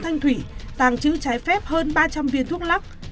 thanh thủy tàng trữ trái phép hơn ba trăm linh viên thuốc lắc